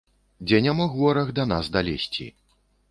Дзе не мог вораг да нас далезці.